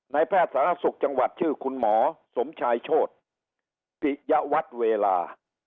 แพทย์สาธารณสุขจังหวัดชื่อคุณหมอสมชายโชธปิยวัตรเวลา